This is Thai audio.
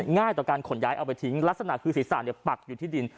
ง่ายต่อการขนย้ายเอาไปทิ้งลักษณะคือศีรษะปักอยู่ที่ดิน